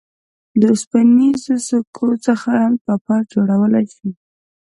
د اوسپنیزو سکو څخه هم ټاپه جوړولای شئ.